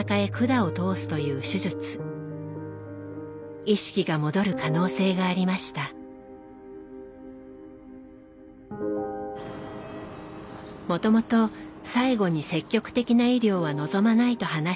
もともと最期に積極的な医療は望まないと話していた剛さん。